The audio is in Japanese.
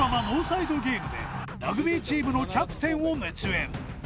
「ノーサイド・ゲーム」でラグビーチームのキャプテンを熱演